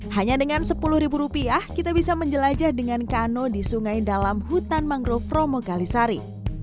hanya dengan sepuluh ribu rupiah kita bisa menjelajah dengan kano di sungai dalam hutan mangrove romo kalisari